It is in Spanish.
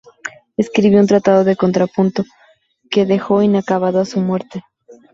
Escribió un "Tratado de contrapunto" que dejó inacabado a su muerte.